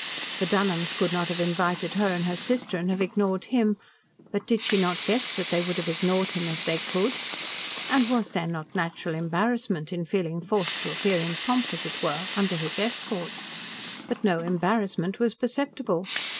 The Dunholms could not have invited her and her sister, and have ignored him; but did she not guess that they would have ignored him, if they could? and was there not natural embarrassment in feeling forced to appear in pomp, as it were, under his escort? But no embarrassment was perceptible.